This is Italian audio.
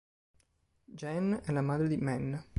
Jeanne è la madre di Men.